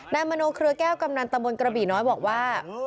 มโนเครือแก้วกำนันตะบนกระบี่น้อยบอกว่า